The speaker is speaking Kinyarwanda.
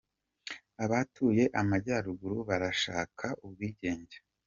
Abatuye Amajyaruguru barashaka ubwigenge